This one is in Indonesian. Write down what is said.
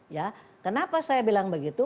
ya kenapa saya bilang begitu